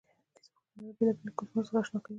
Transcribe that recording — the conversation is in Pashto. فېسبوک د نړۍ د بیلابیلو کلتورونو سره آشنا کوي